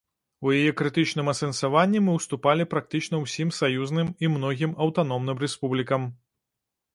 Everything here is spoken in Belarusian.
У яе крытычным асэнсаванні мы ўступалі практычна ўсім саюзным і многім аўтаномным рэспублікам.